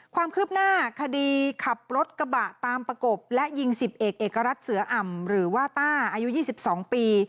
ความคืบหน้าคดีขับรถกระบะตามประกบและยิง๑๐เอกเอกรัฐเสืออ่ำหรือว่าต้าอายุ๒๒ปี